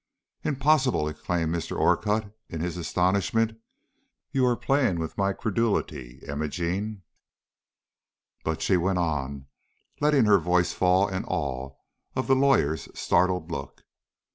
"Impossible!" exclaimed Mr. Orcutt, in his astonishment. "You are playing with my credulity, Imogene." But she went on, letting her voice fall in awe of the lawyer's startled look.